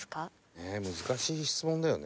「ねえ難しい質問だよね」